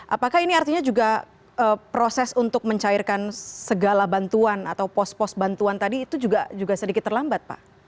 apakah ini artinya juga proses untuk mencairkan segala bantuan atau pos pos bantuan tadi itu juga sedikit terlambat pak